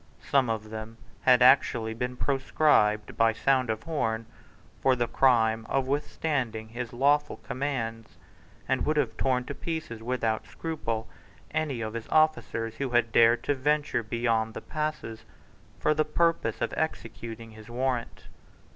Some of them had actually been proscribed by sound of horn for the crime of withstanding his lawful commands, and would have torn to pieces without scruple any of his officers who had dared to venture beyond the passes for the purpose of executing his warrant.